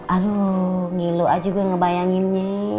aduh ngilu aja gue ngebayanginnya